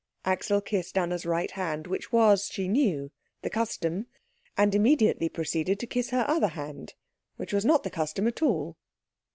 Axel kissed Anna's right hand, which was, she knew, the custom; and immediately proceeded to kiss her other hand, which was not the custom at all.